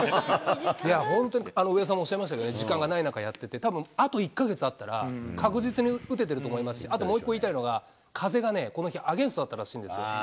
本当に上田さんもおっしゃいましたけどね、時間がない中やってて、たぶんあと１か月あったら、確実に打ててると思いますし、あともう一個言いたいのが、風がね、この日、アゲインストだったらしいんですよ。